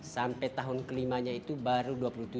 sampai tahun kelimanya itu baru dua puluh tujuh